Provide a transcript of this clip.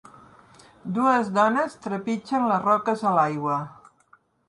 Dues dones trepitgen les roques a l'aigua